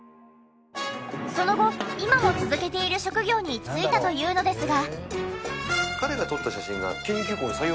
その後今も続けている職業に就いたというのですが。